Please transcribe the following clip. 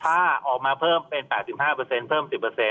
ถ้าออกมาเพิ่มเป็น๘๕เพิ่ม๑๐